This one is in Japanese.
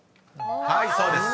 ［はいそうです。